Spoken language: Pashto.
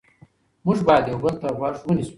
موږ باید یو بل ته غوږ ونیسو